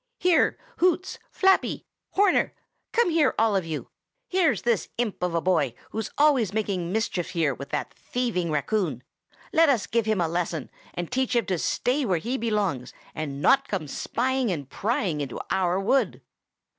Here, Hoots! Flappy! Horner! Come here, all of you! Here's this imp of a boy who's always making mischief here with that thieving raccoon. Let us give him a lesson, and teach him to stay where he belongs, and not come spying and prying into our wood!"